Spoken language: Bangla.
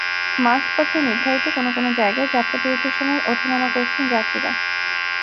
মাঝপথে নির্ধারিত কোনো কোনো জায়গায় যাত্রা বিরতির সময় ওঠা-নামা করছেন যাত্রীরা।